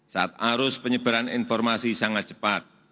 saat arus penyebaran informasi sangat cepat